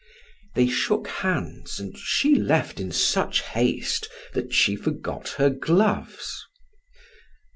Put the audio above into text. They shook hands and she left in such haste that she forgot her gloves.